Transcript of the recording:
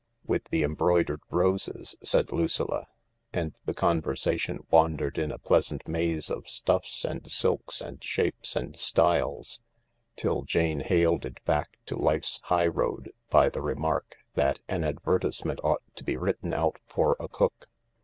" With the embroidered roses," said Lucilla, and the conversation wandered in a pleasant maze of stuffs and silks and shapes and styles till Jane haled it back to life's highroad by the remark that an advertisement ought to be written out for a cook.